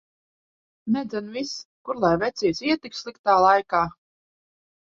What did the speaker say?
Nedzen vis! Kur lai vecītis iet tik sliktā laika.